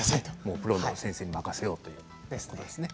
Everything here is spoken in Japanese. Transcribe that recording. プロの先生に任せてくださいっていうことですね。